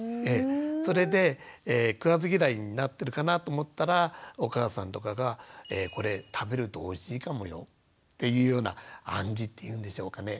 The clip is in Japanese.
それで食わず嫌いになってるかなと思ったらお母さんとかが「これ食べるとおいしいかもよ」っていうような暗示っていうんでしょうかね